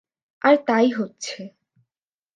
আর তাই হচ্ছে।